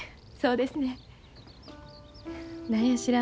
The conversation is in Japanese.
そうですねん。